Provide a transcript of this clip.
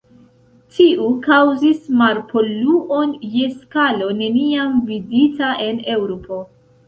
Tio kaŭzis marpoluon je skalo neniam vidita en Eŭropo.